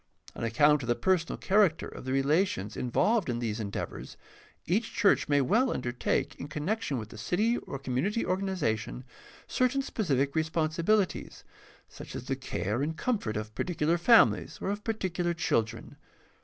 On account of the personal character of the relations involved in these endeavors, each church may well undertake, in connection with the city or community organization, cer tain specific responsibilities, such as the care and comfort of particular families or of particular children.